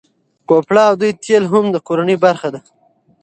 کوپره او دوی تېل هم د کورنۍ برخه ده.